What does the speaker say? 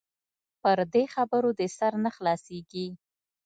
پر دې خبرو دې سر نه خلاصيږي.